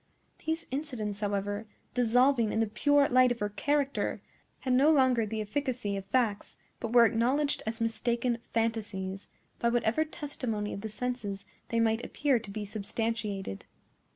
These incidents, however, dissolving in the pure light of her character, had no longer the efficacy of facts, but were acknowledged as mistaken fantasies, by whatever testimony of the senses they might appear to be substantiated.